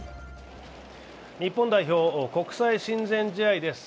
日本代表、国際親善試合です。